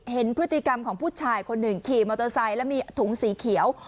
เห็นพฤติกรรมของผู้ชายคนหนึ่งขี่มอเตอร์ไซค์แล้วมีถุงสีเขียว